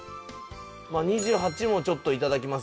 ２８もちょっと頂きます